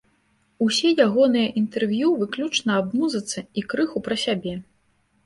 Усе ягоныя інтэрв'ю выключна аб музыцы і крыху пра сябе.